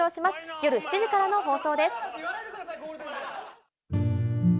夜７時からの放送です。